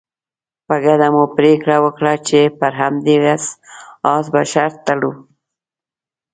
په ګډه مو پرېکړه وکړه چې پر همدې اس به شرط تړو.